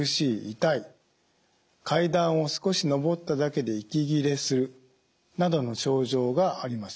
痛い階段を少し上っただけで息切れするなどの症状があります。